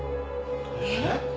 えっ？